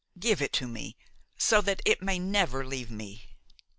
Give it to me, so that it may never leave me."